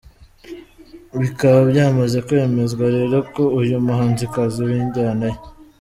Bikaba byamaze kwemezwa rero ko uyu muhanzikazi winjyana ya.